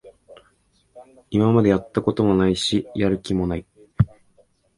今までやったことないし、やる気もない